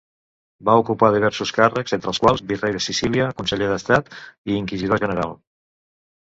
Va ocupar diversos càrrecs, entre els quals virrei de Sicília, conseller d'Estat i inquisidor general.